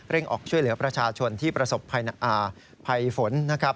ออกช่วยเหลือประชาชนที่ประสบภัยฝนนะครับ